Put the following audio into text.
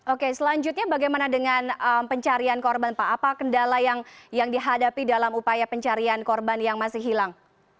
oke selanjutnya bagaimana dengan pencarian korban pak apa kendala yang dihadapi dalam upaya pencarian korban yang masih hilang